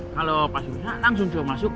kalau pasurnya langsung sudah masuk